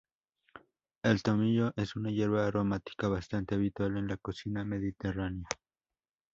El tomillo es una hierba aromática bastante habitual en la cocina mediterránea.